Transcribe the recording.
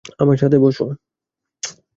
আমার সাথে বসো।